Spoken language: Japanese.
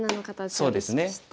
そうですね。